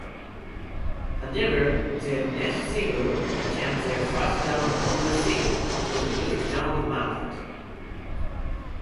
However, their next single became their first download-only single for the music download market.